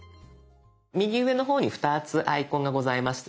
右上の方に２つアイコンがございますよね。